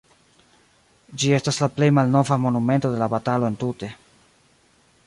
Ĝi estas la plej malnova monumento de la batalo entute.